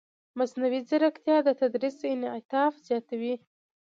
مصنوعي ځیرکتیا د تدریس انعطاف زیاتوي.